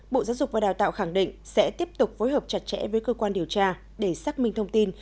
bộ giáo dục và đào tạo khẳng định sẽ tiếp tục phối hợp chặt chẽ với cơ quan điều tra để xác minh thông tin